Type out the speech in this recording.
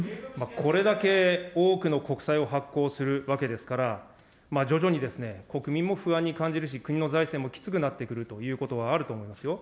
これだけ多くの国債を発行するわけですから、徐々にですね、国民も不安に感じるし、国の財政もきつくなってくるということはあると思いますよ。